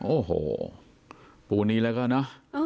โอโหปุนนี้ละก็นะ